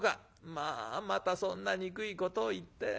『まあまたそんな憎いことを言って。